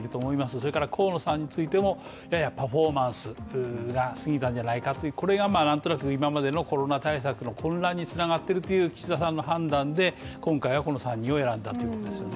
それから河野さんについてもややパフォーマンスが過ぎたんじゃないかというこれがなんとなく今までのコロナ対策の混乱に繋がっているという岸田さんの判断で今回はこの３人を選んだということですよね。